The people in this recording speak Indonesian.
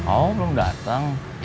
oh belum dateng